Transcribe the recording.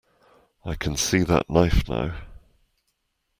I can see that knife now.